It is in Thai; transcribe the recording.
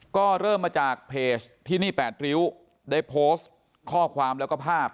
ก็เริ่มมาจากเพจที่นี่๘ริ้วได้โพสต์ข้อความแล้วก็ภาพ